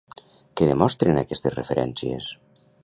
Què demostren aquestes referències?